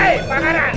hei pak manan